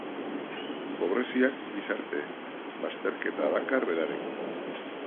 Pobreziak gizarte bazterketa dakar berarekin.